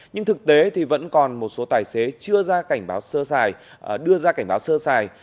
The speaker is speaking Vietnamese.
nhưng thực tế thì vẫn còn một số tài xế chưa đưa ra cảnh báo sơ xài